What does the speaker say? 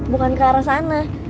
bukan ke arah sana